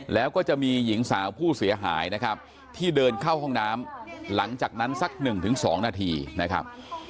แล้วก็จะมีหญิงสาวผู้เสียหายนะครับที่เดินเข้าห้องน้ำหลังจากนั้นสัก๑๒นาทีนะครับ